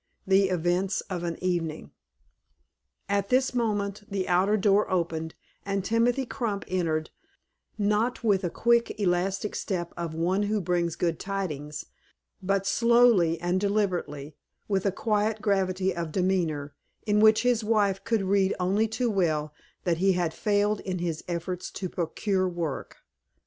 THE EVENTS OF AN EVENING. AT this moment the outer door opened, and Timothy Crump entered, not with the quick elastic step of one who brings good tidings, but slowly and deliberately, with a quiet gravity of demeanor, in which his wife could read only too well that he had failed in his efforts to procure work.